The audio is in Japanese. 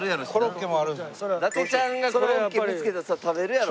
伊達ちゃんがコロッケ見つけたらそりゃ食べるやろ。